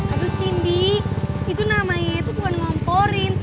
aduh cindy itu namanya tuh bukan ngomporin